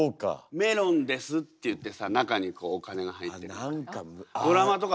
メロンですっていってさ中にこうお金が入ってるとか。